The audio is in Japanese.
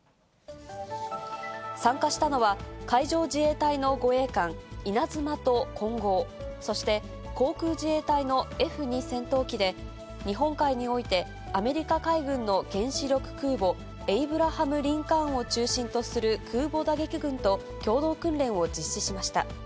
参加したのは、海上自衛隊の護衛艦いなづまとこんごう、そして航空自衛隊のＦ２戦闘機で、日本海において、アメリカ海軍の原子力空母エイブラハム・リンカーンを中心とする空母打撃群と、共同訓練を実施しました。